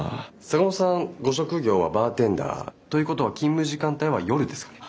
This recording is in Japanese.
坂本さんご職業はバーテンダーということは勤務時間帯は夜ですかね？